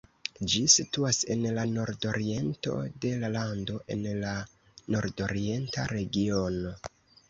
Ĝi situas en la nordoriento de la lando en la Nordorienta Regiono.